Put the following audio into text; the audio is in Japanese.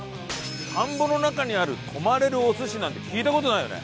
田んぼの中にある泊まれるお寿司なんて聞いた事ないよね。